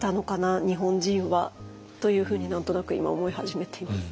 日本人はというふうに何となく今思い始めています。